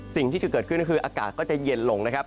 สิ่งที่จะเกิดขึ้นก็คืออากาศก็จะเย็นลงนะครับ